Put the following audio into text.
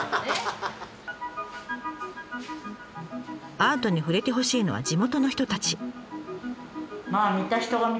アートに触れてほしいのは地元の人たち。